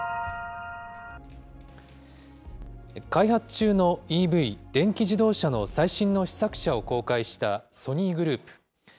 開発中のＥＶ・電気自動車の最新の試作車を公開したソニーグループ。